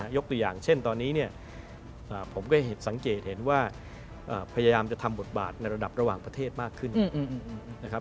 ยกตัวอย่างเช่นตอนนี้เนี่ยผมก็สังเกตเห็นว่าพยายามจะทำบทบาทในระดับระหว่างประเทศมากขึ้นนะครับ